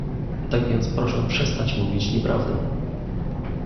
Tak więc proszę przestać mówić nieprawdę